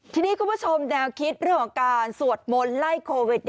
ทีนี้คุณผู้ชมแนวคิดเรื่องของการสวดมนต์ไล่โควิด